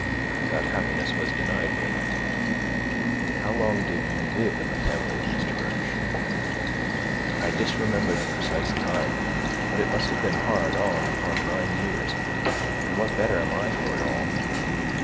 "That happiness was denied me. How long did you live in the family of Mr. Birch?" "I disremember the precise time, but it must have been hard on upon nine years; and what better am I for it all?"